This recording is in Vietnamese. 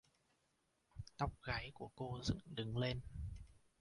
Tóc gáy của cô dựng đứng lên